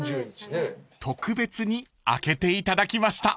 ［特別に開けていただきました］